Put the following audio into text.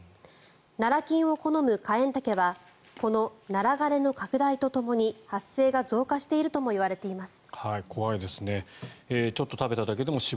ナラ菌を好むカエンタケはこのナラ枯れの拡大とともに発生が増加しているともいわれています。